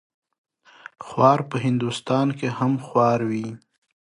خوار په هندوستان هم خوار وي.